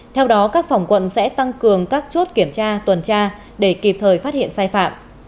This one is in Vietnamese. theo đó các phòng quận sẽ tăng cường các chốt kiểm tra tuần tra để kịp thời phát hiện sai phạm